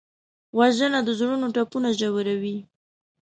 وژنه د زړونو ټپونه ژوروي